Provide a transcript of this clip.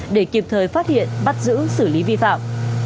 để kịp thời phát hiện bắt giữ xử lý vi phạm